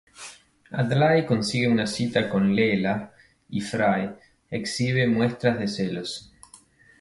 Adlai consigue una cita con Leela y Fry exhibe muestras de celos.